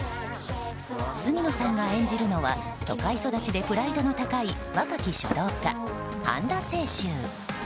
杉野さんが演じるのは都会育ちでプライドの高い若き書道家・半田清舟。